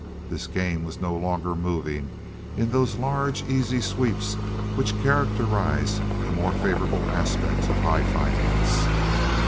This game was no longer moving in those large, easy sweeps which characterize the more favorable aspects of high finance.